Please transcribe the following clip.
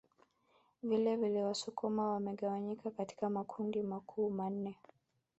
Vilevile Wasukuma wamegawanyika katika makundi makuu manne